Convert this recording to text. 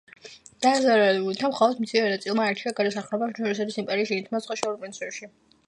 დაზარალებულთა მხოლოდ მცირე ნაწილმა არჩია გადასახლება თვითონ რუსეთის იმპერიის შიგნით, მის სხვა შორეულ პროვინციებში.